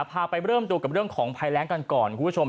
พาไปเริ่มดูกับเรื่องของภัยแรงกันก่อนคุณผู้ชม